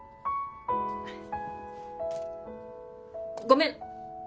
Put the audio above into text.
ごめん。